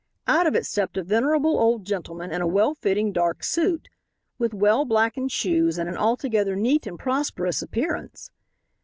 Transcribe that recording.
Out of it stepped a venerable old gentleman in a well fitting dark suit, with well blackened shoes and an altogether neat and prosperous appearance.